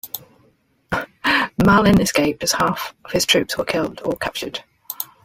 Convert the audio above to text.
Ma Lin escaped as half of his troops were killed or captured.